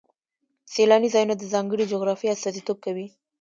سیلاني ځایونه د ځانګړې جغرافیې استازیتوب کوي.